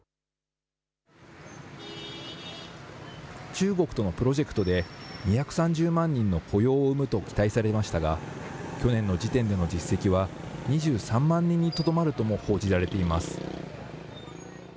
中国とのプロジェクトで、２３０万人の雇用を生むと期待されましたが、去年の時点での実績は２３万人にとどまるとも報じられています。